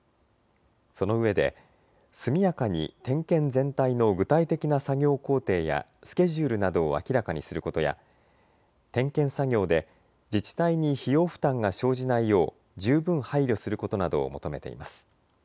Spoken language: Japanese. そのうえで速やかに点検全体の具体的な作業工程やスケジュールなどを明らかにすることや点検作業で自治体に費用負担が生じないよう十分配慮することなどを求めています。